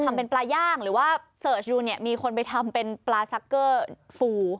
ทำเป็นปลาย่างหรือว่าเสิร์ชดูเนี่ยมีคนไปทำเป็นปลาซักเกอร์ฟู